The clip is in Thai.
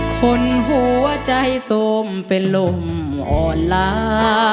คนหัวใจสมเป็นลมอ่อนล้า